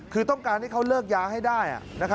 คือต้องการให้เขาเลิกยาให้ได้